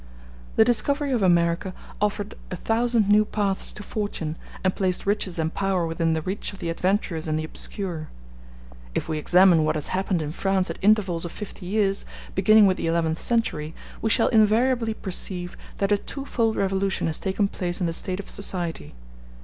The discovery of America offered a thousand new paths to fortune, and placed riches and power within the reach of the adventurous and the obscure. If we examine what has happened in France at intervals of fifty years, beginning with the eleventh century, we shall invariably perceive that a twofold revolution has taken place in the state of society.